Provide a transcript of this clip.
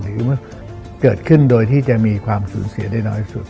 ถือว่าเกิดขึ้นโดยที่จะมีความสูญเสียได้น้อยสุด